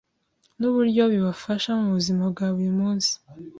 n’uburyo bibafasha mu buzima bwa buri munsi.